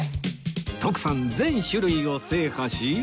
徳さん全種類を制覇し